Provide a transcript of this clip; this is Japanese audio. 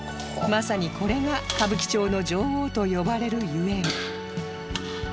まさにこれが歌舞伎町の女王と呼ばれるゆえん